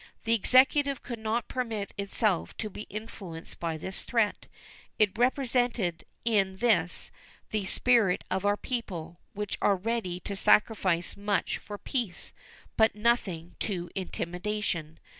The Executive could not permit itself to be influenced by this threat. It represented in this the spirit of our people, who are ready to sacrifice much for peace, but nothing to intimidation.